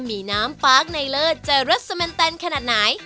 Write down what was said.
มีน้ำปาร์คในเลิศจะรสเมนแตนขนาดไหน